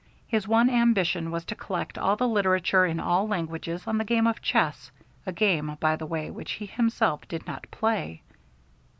His one ambition was to collect all the literature in all languages on the game of chess; a game by the way which he himself did not play.